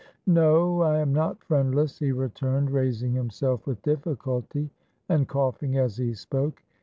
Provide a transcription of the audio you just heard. "No, I am not friendless," he returned, raising himself with difficulty, and coughing as he spoke.